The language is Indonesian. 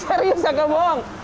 serius ya gak bohong